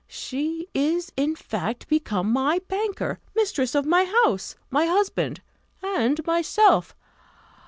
She is, in fact, become my banker; mistress of my house, my husband, and myself!